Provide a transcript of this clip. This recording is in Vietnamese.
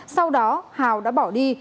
sau đó hào đã bỏ đi